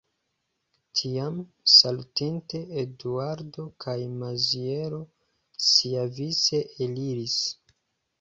Tiam, salutinte, Eduardo kaj Maziero siavice eliris.